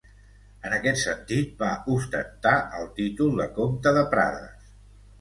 En aquest sentit va ostentar el títol de comte de Prades.